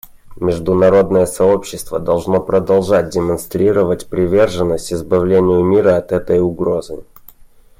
Международное сообщество должно продолжать демонстрировать приверженность избавлению мира от этой угрозы.